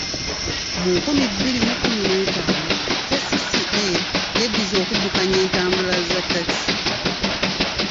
Mu nkumi bbiri mu kkumi n'etaano, KCCA yeddiza okuddukanya entambula za takisi.